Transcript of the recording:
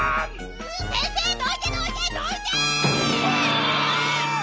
先生どいてどいてどいて！